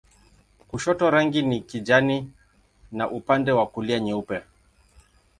Kushoto rangi ni kijani na upande wa kulia nyeupe.